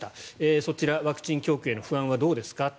そちら、ワクチン供給への不安はどうですか？